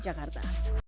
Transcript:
alexandra s brata jakarta